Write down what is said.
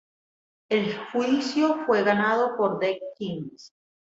El juicio fue ganado por The Kinks.